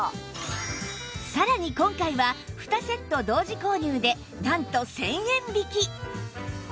さらに今回は２セット同時購入でなんと１０００円引き！